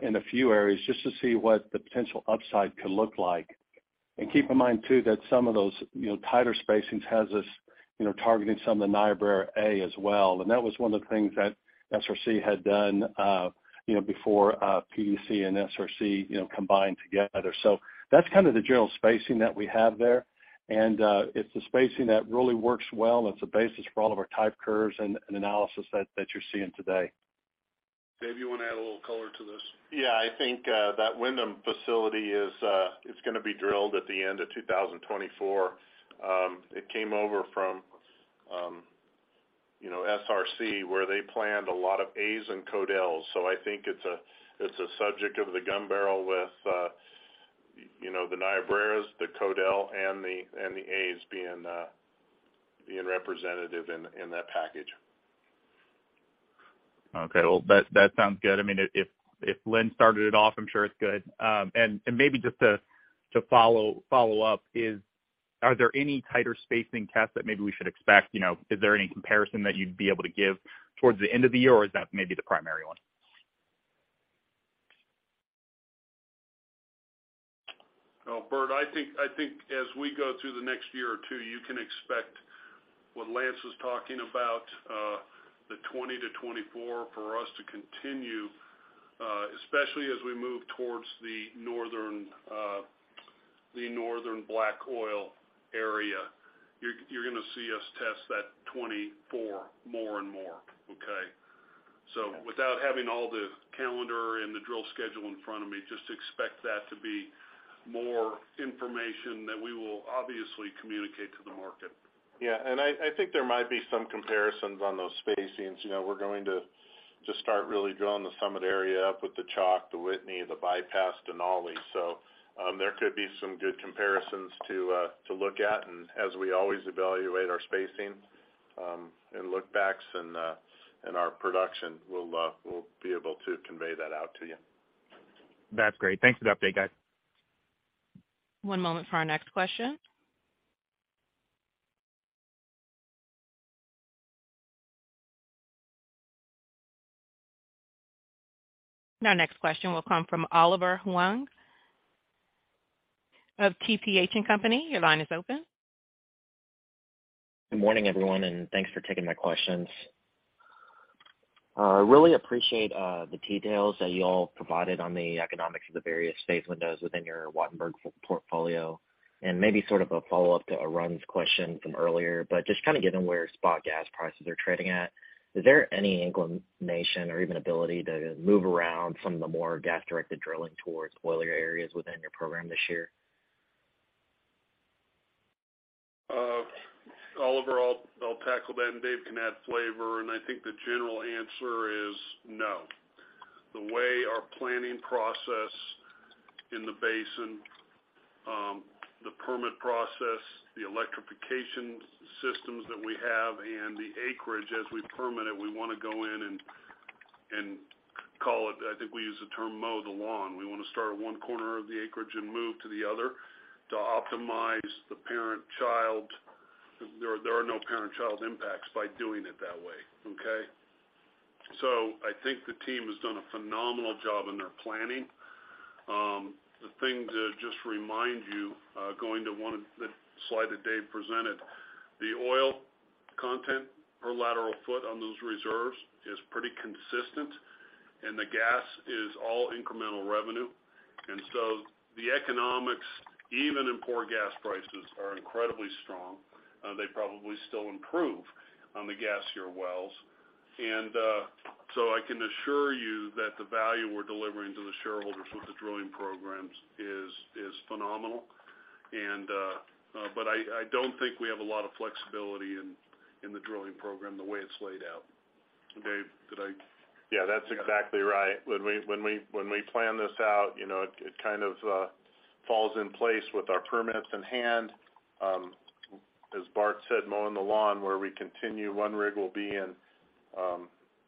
in a few areas just to see what the potential upside could look like. Keep in mind too that some of those, you know, tighter spacings has us, you know, targeting some of the Niobrara A as well, and that was one of the things that SRC had done, you know, before PDC and SRC, you know, combined together. That's kind of the general spacing that we have there. It's the spacing that really works well, and it's the basis for all of our type curves and analysis that you're seeing today. Dave, you wanna add a little color to this? Yeah. I think that Windham facility is gonna be drilled at the end of 2024. It came over from, you know, SRC, where they planned a lot of As and Codells. I think it's a, it's a subject of the gun barrel with, you know, the Niobreras, the Codell, and the, and the As being representative in that package. Okay. Well, that sounds good. I mean, if Lynn started it off, I'm sure it's good. Maybe just to follow up is, are there any tighter spacing tests that maybe we should expect? You know, is there any comparison that you'd be able to give towards the end of the year, or is that maybe the primary one? Well, Bert, I think as we go through the next year or two, you can expect what Lance was talking about, the 20-24 for us to continue, especially as we move towards the northern, the northern Black Oil Range area. You're gonna see us test that 24 more and more, okay. Without having all the calendar and the drill schedule in front of me, just expect that to be more information that we will obviously communicate to the market. Yeah. I think there might be some comparisons on those spacings. You know, we're going to start really drilling the Summit area up with the Chalk, the Whitney, the bypass Denali. There could be some good comparisons to look at. As we always evaluate our spacing, and look backs and our production, we'll be able to convey that out to you. That's great. Thanks for the update, guys. One moment for our next question. Our next question will come from Oliver Huang of TPH&Co. Your line is open. Good morning, everyone, and thanks for taking my questions. Really appreciate the details that you all provided on the economics of the various phase windows within your Wattenberg portfolio. Maybe sort of a follow-up to Arun's question from earlier, but just kind of given where spot gas prices are trading at, is there any inclination or even ability to move around some of the more gas-directed drilling towards oilier areas within your program this year? Oliver, I'll tackle that and Dave can add flavor. I think the general answer is no. The way our planning process in the basin, the permit process, the electrification systems that we have, and the acreage as we permit it, we wanna go in and call it, I think we use the term mow the lawn. We want to start at one corner of the acreage and move to the other to optimize the parent-child. There are no parent-child impacts by doing it that way, okay? I think the team has done a phenomenal job in their planning. The thing to just remind you, going to one of the slide that Dave presented, the oil content per lateral foot on those reserves is pretty consistent, and the gas is all incremental revenue. The economics, even in poor gas prices, are incredibly strong. They probably still improve on the gas year wells. I can assure you that the value we're delivering to the shareholders with the drilling programs is phenomenal. I don't think we have a lot of flexibility in the drilling program the way it's laid out. Dave, did I? Yeah, that's exactly right. When we plan this out, you know, it kind of falls in place with our permits in hand. As Bart said, mowing the lawn, where we continue, one rig will be in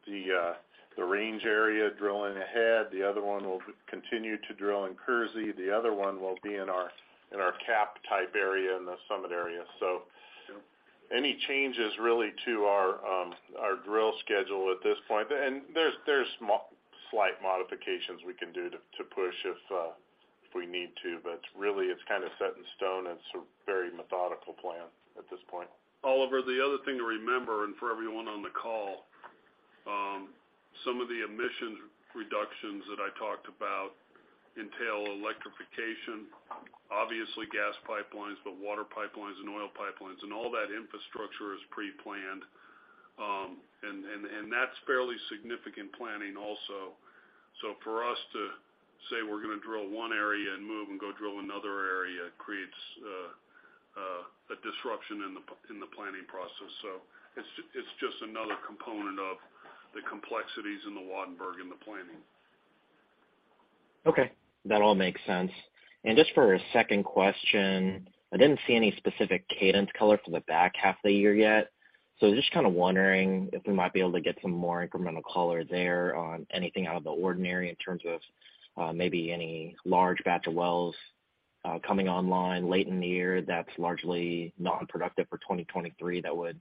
the Range area, drilling ahead. The other one will continue to drill in Kersey. The other one will be in our in our CAP-type area in the Summit area. Any changes really to our drill schedule at this point. There's slight modifications we can do to push if we need to. Really, it's kind of set in stone, and it's a very methodical plan at this point. Oliver, the other thing to remember, and for everyone on the call, some of the emission reductions that I talked about entail electrification, obviously gas pipelines, but water pipelines and oil pipelines. All that infrastructure is preplanned, and that's fairly significant planning also. For us to say we're gonna drill one area and move and go drill another area creates a disruption in the planning process. It's just another component of the complexities in the Wattenberg in the planning. Okay. That all makes sense. Just for a second question, I didn't see any specific cadence color for the back half of the year yet. Just kind of wondering if we might be able to get some more incremental color there on anything out of the ordinary in terms of, maybe any large batch of wells, coming online late in the year that's largely non-productive for 2023 that would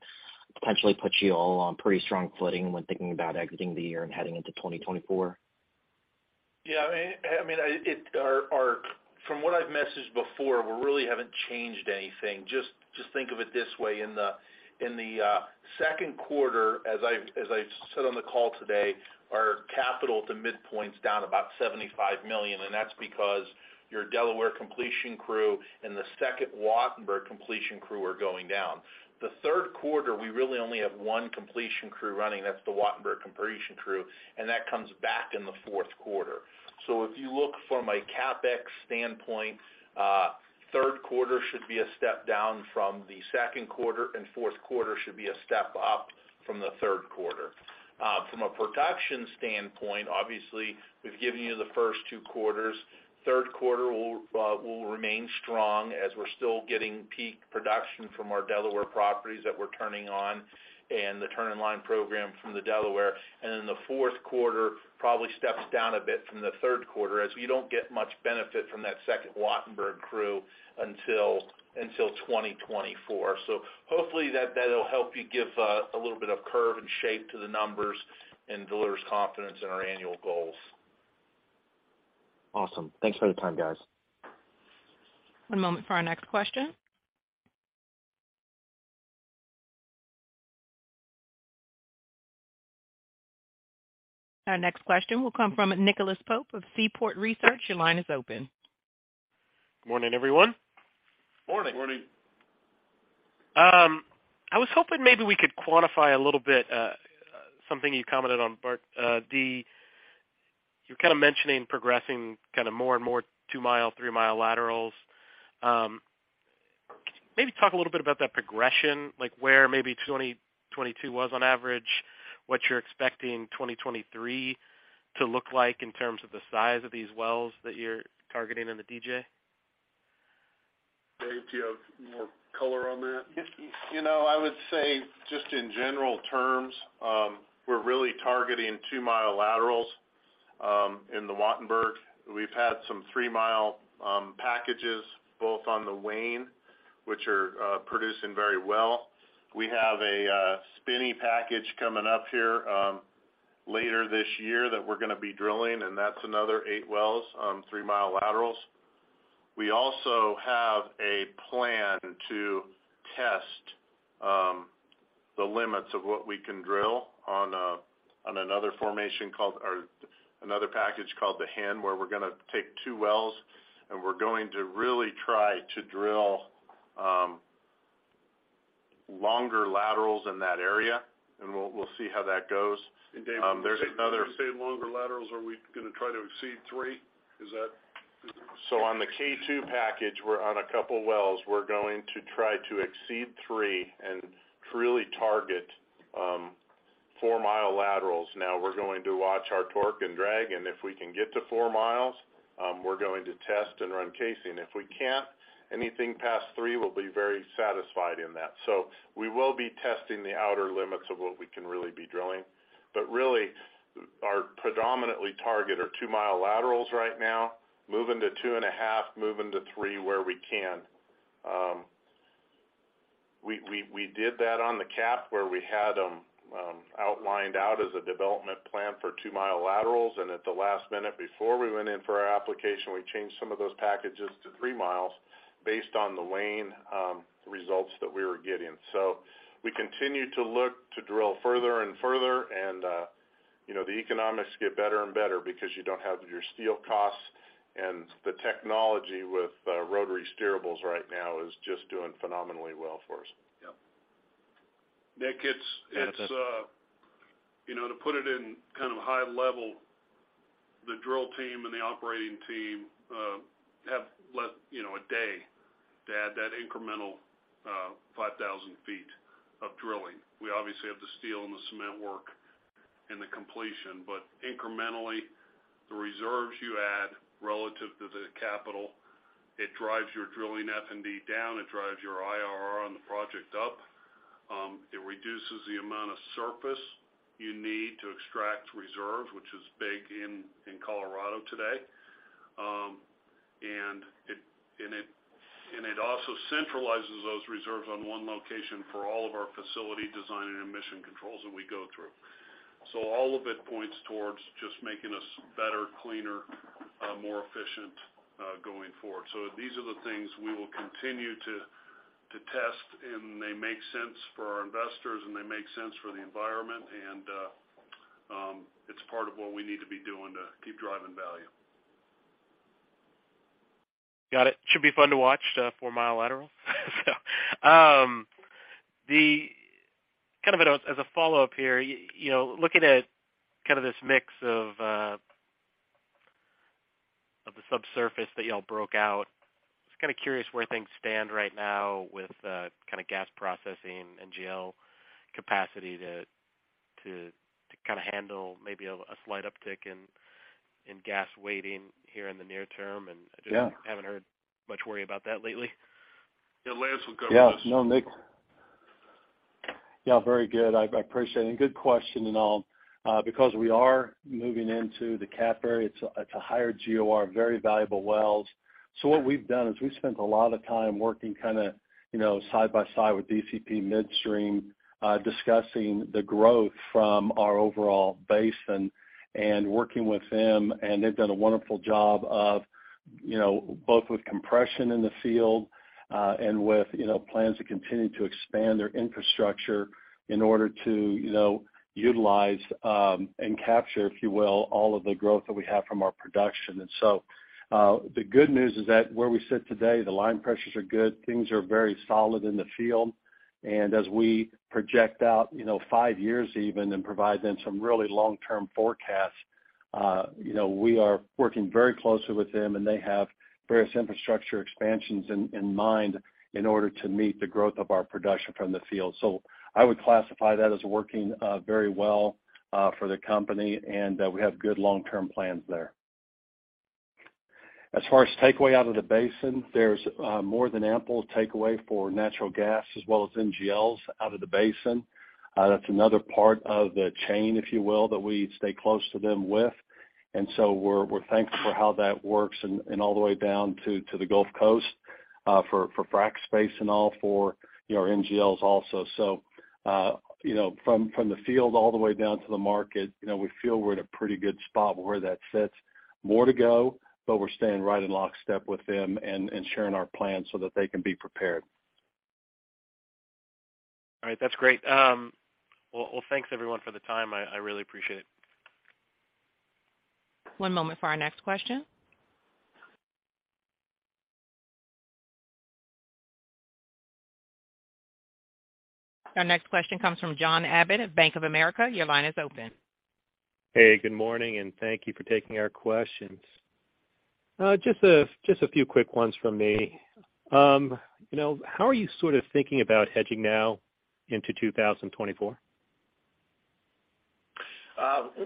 potentially put you all on pretty strong footing when thinking about exiting the year and heading into 2024. Yeah. I mean, our From what I've messaged before, we really haven't changed anything. Just think of it this way. In the second quarter, as I've said on the call today, our capital to midpoint's down about $75 million, and that's because your Delaware completion crew and the second Wattenberg completion crew are going down. The third quarter, we really only have 1 completion crew running. That's the Wattenberg completion crew, and that comes back in the fourth quarter. If you look from a CapEx standpoint, third quarter should be a step down from the second quarter, and fourth quarter should be a step up from the third quarter. From a production standpoint, obviously, we've given you the first 2 quarters. Third quarter will remain strong as we're still getting peak production from our Delaware properties that we're turning on and the turn-in-line program from the Delaware. The fourth quarter probably steps down a bit from the third quarter, as we don't get much benefit from that second Wattenberg crew until 2024. Hopefully that'll help you give a little bit of curve and shape to the numbers and delivers confidence in our annual goals. Awesome. Thanks for the time, guys. One moment for our next question. Our next question will come from Nicholas Pope of Seaport Research. Your line is open. Morning, everyone. Morning. Morning. I was hoping maybe we could quantify a little bit, something you commented on, Bart. You're kind of mentioning progressing more and more 2 mi, 3-mi laterals. Maybe talk a little bit about that progression, like where maybe 2022 was on average, what you're expecting 2023 to look like in terms of the size of these wells that you're targeting in the DJ? Dave, do you have more color on that? You know, I would say just in general terms, we're really targeting 2 mi laterals in the Wattenberg. We've had some 3-mi packages both on the Wayne, which are producing very well. We have a Spinney package coming up here later this year that we're gonna be drilling, and that's another eight wells on 3-mi laterals. We also have a plan to test the limits of what we can drill on another package called the Hand, where we're gonna take two wells, and we're going to really try to drill longer laterals in that area, and we'll see how that goes. There's another- Dave, when you say longer laterals, are we gonna try to exceed three? Is that... On the K2 package, we're on a couple wells. We're going to try to exceed 3 and really target 4-mi laterals. We're going to watch our torque and drag, and if we can get to 4 mi, we're going to test and run casing. If we can't, anything past 3, we'll be very satisfied in that. We will be testing the outer limits of what we can really be drilling. Really our predominantly target are 2 mi laterals right now, moving to 2.5, moving to 3 where we can. We did that on the CAP where we had outlined out as a development plan for 2 mi laterals, and at the last minute before we went in for our application, we changed some of those packages to 3 mi based on the Wayne results that we were getting. We continue to look to drill further and further and, you know, the economics get better and better because you don't have your steel costs and the technology with rotary steerables right now is just doing phenomenally well for us. Yep. Nick, it's you know, to put it in kind of high level, the drill team and the operating team have you know, a day to add that incremental 5,000 feet of drilling. We obviously have the steel and the cement work and the completion. Incrementally, the reserves you add relative to the capital, it drives your drilling F&D down, it drives your IRR on the project up. It reduces the amount of surface you need to extract reserves, which is big in Colorado today. And it also centralizes those reserves on one location for all of our facility design and emission controls that we go through. All of it points towards just making us better, cleaner, more efficient, going forward. These are the things we will continue to test, and they make sense for our investors, and they make sense for the environment. It's part of what we need to be doing to keep driving value. Got it. Should be fun to watch the 4-mi lateral. Kind of as a follow-up here, you know, looking at kind of this mix of the subsurface that y'all broke out, just kinda curious where things stand right now with kind of gas processing, NGL capacity to kinda handle maybe a slight uptick in gas weighting here in the near term. Yeah. haven't heard much worry about that lately. Yeah, Lance will cover this. No, Nicholas Pope. Very good. I appreciate it. Good question. Because we are moving into the CAP area, it's a higher GOR, very valuable wells. What we've done is we've spent a lot of time working kind of, you know, side by side with DCP Midstream, discussing the growth from our overall basin and working with them. They've done a wonderful job of, you know, both with compression in the field, and with, you know, plans to continue to expand their infrastructure in order to, you know, utilize and capture, if you will, all of the growth that we have from our production. The good news is that where we sit today, the line pressures are good, things are very solid in the field. As we project out, you know, five years even, and provide them some really long-term forecasts, you know, we are working very closely with them, and they have various infrastructure expansions in mind in order to meet the growth of our production from the field. I would classify that as working very well for the company, and we have good long-term plans there. As far as takeaway out of the basin, there's more than ample takeaway for natural gas as well as NGLs out of the basin. That's another part of the chain, if you will, that we stay close to them with. We're, we're thankful for how that works and all the way down to the Gulf Coast, for frack space and all for, you know, our NGLs also. You know, from the field all the way down to the market, you know, we feel we're in a pretty good spot where that sits. More to go, but we're staying right in lockstep with them and sharing our plans so that they can be prepared. All right. That's great. Well, thanks, everyone, for the time. I really appreciate it. One moment for our next question. Our next question comes from John Abbott at Bank of America. Your line is open. Hey, good morning, and thank you for taking our questions. Just a few quick ones from me. You know, how are you sort of thinking about hedging now into 2024?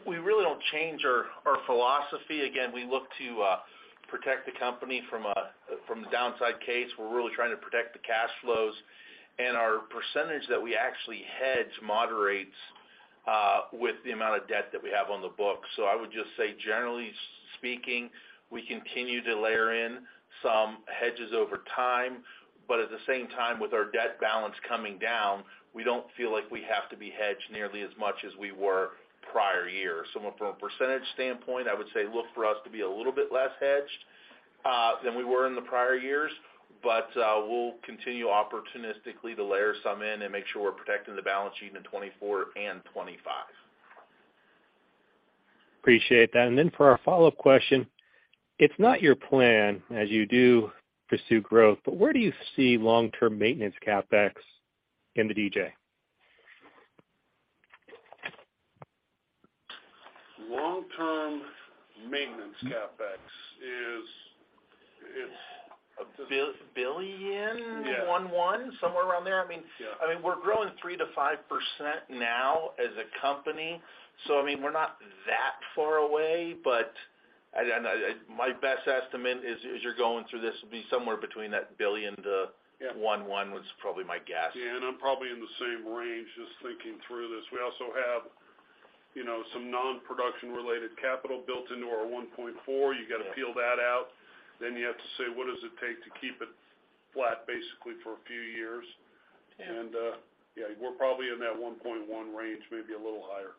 We really don't change our philosophy. Again, we look to protect the company from a, from the downside case. We're really trying to protect the cash flows. Our percentage that we actually hedge moderates with the amount of debt that we have on the books. I would just say, generally speaking, we continue to layer in some hedges over time, but at the same time, with our debt balance coming down, we don't feel like we have to be hedged nearly as much as we were prior years. From a percentage standpoint, I would say look for us to be a little bit less hedged than we were in the prior years. We'll continue opportunistically to layer some in and make sure we're protecting the balance sheet in 2024 and 2025. Appreciate that. Then for our follow-up question, it's not your plan as you do pursue growth, but where do you see long-term maintenance CapEx in the DJ? Long-term maintenance CapEx is... $1 billion. Yeah. One, somewhere around there. I mean. Yeah. I mean, we're growing 3%-5% now as a company, so I mean, we're not that far away. My best estimate is, as you're going through this, would be somewhere between that billion. Yeah. 1 was probably my guess. Yeah, I'm probably in the same range, just thinking through this. We also have, you know, some non-production related capital built into our $1.4. Yeah. You gotta peel that out. You have to say, what does it take to keep it flat basically for a few years? Yeah. Yeah, we're probably in that 1.1 range, maybe a little higher.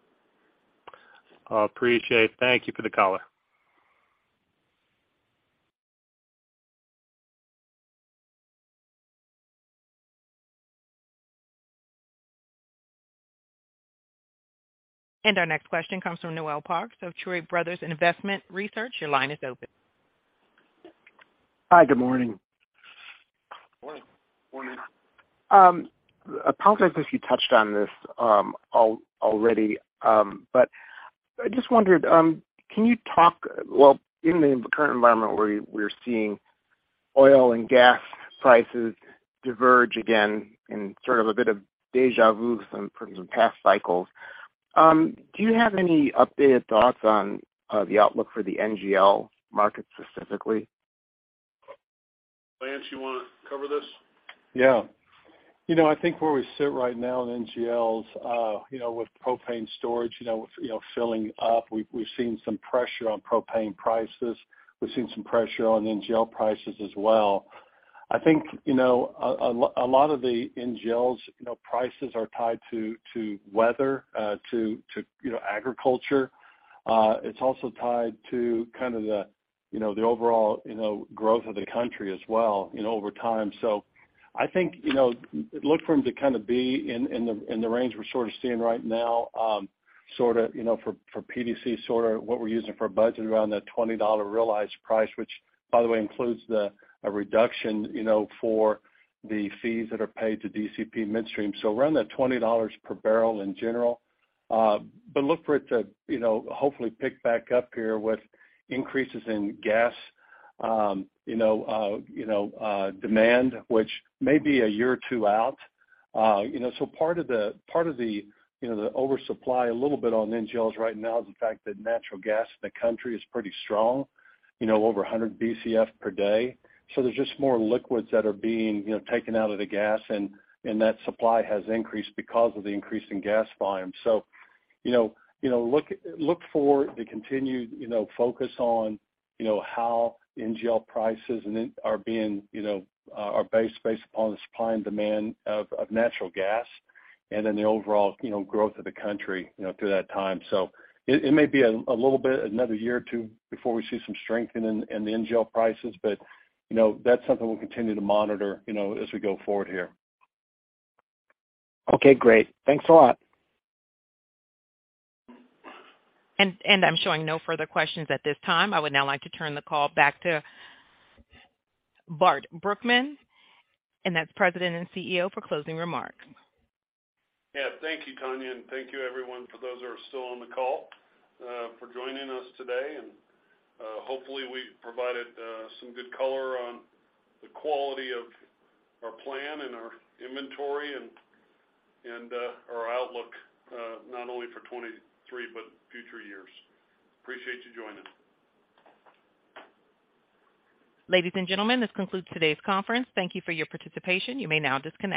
I appreciate. Thank you for the color. Our next question comes from Noel Parks of Tuohy Brothers Investment Research. Your line is open. Hi. Good morning. Morning. Morning. Apologize if you touched on this already. I just wondered. Well, in the current environment where we're seeing oil and gas prices diverge again in sort of a bit of deja vu from some past cycles, do you have any updated thoughts on the outlook for the NGL market specifically? Lance, you wanna cover this? Yeah. You know, I think where we sit right now in NGLs, you know, with propane storage, you know, filling up, we've seen some pressure on propane prices. We've seen some pressure on NGL prices as well. I think, you know, a lot of the NGLs, you know, prices are tied to weather, to, you know, agriculture. It's also tied to kind of the overall, you know, growth of the country as well, you know, over time. I think, you know, look for 'em to kind of be in the range we're sort of seeing right now, sort of, you know, for PDC, sort of what we're using for a budget around that $20 realized price, which by the way, includes a reduction, you know, for the fees that are paid to DCP Midstream. Around that $20 per barrel in general. Look for it to, you know, hopefully pick back up here with increases in gas, you know, demand, which may be a year or two out. Part of the, you know, the oversupply a little bit on NGLs right now is the fact that natural gas in the country is pretty strong, you know, over 100 BCF per day. There's just more liquids that are being, you know, taken out of the gas, and that supply has increased because of the increase in gas volume. You know, look for the continued, you know, focus on, you know, how NGL prices and then are being, you know, are based upon the supply and demand of natural gas and then the overall, you know, growth of the country, you know, through that time. It may be a little bit, another year or two before we see some strength in the NGL prices. You know, that's something we'll continue to monitor, you know, as we go forward here. Okay, great. Thanks a lot. I'm showing no further questions at this time. I would now like to turn the call back to Bart Brookman, and that's President and CEO for closing remarks. Yeah. Thank you, Tanya, and thank you everyone, for those who are still on the call, for joining us today. Hopefully we provided, some good color on the quality of our plan and our inventory and, our outlook, not only for 2023 but future years. Appreciate you joining. Ladies and gentlemen, this concludes today's conference. Thank you for your participation. You may now disconnect.